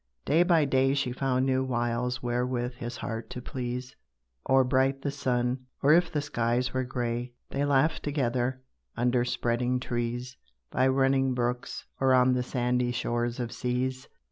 Day by day She found new wiles wherewith his heart to please; Or bright the sun, or if the skies were gray, They laughed together, under spreading trees, By running brooks, or on the sandy shores of seas.